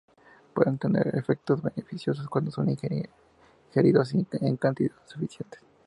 Pueden tener efectos beneficiosos cuando son ingeridos en cantidades suficientes.